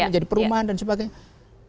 menjadi perumahan dan sebagainya